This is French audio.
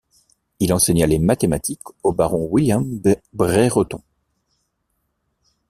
Il enseigna les mathématiques au baron William Brereton.